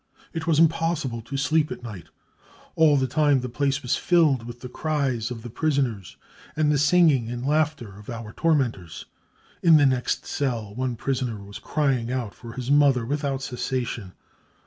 " It was impossible to sleep at night ; all the time the place was filled with the cries of the prisoners and the singing and laughter of our tormentors. In the next cell one prisoner was crying out for his mother without ^ cessation.